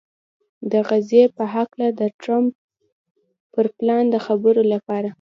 د غزې په هکله د ټرمپ پر پلان د خبرو لپاره